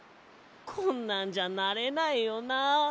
こんなんじゃなれないよな。